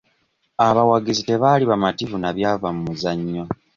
Abawagizi tebaali bamativu na byava mu muzannyo.